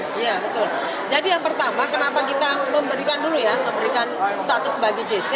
iya betul jadi yang pertama kenapa kita memberikan dulu ya memberikan status sebagai jc